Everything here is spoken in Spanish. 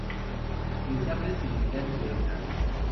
Les da flexibilidad y dureza.